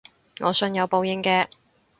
我信有報應嘅